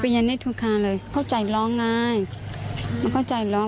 เป็นอย่างนี้ทุกครั้งเลยเขาใจร้องไงมันเขาใจร้อง